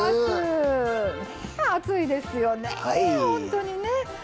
暑いですよね、本当に。